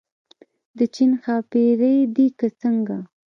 د چین ښاپېرۍ دي که څنګه.